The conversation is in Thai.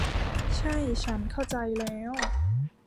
ใช่ ฉันเข้าใจแล้ว